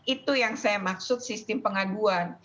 itu yang saya maksud sistem pengaduan